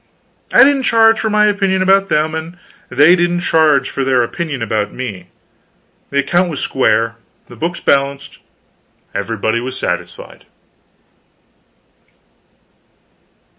I didn't charge for my opinion about them, and they didn't charge for their opinion about me: the account was square, the books balanced, everybody was satisfied.